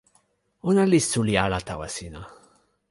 ona li suli ala tawa sina.